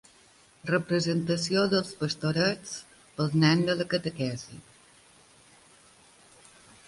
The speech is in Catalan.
Representació dels pastorets pels nens de la catequesi.